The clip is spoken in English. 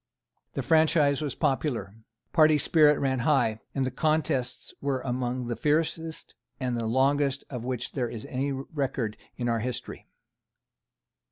The franchise was popular. Party spirit ran high; and the contests were among the fiercest and the longest of which there is any record in our history.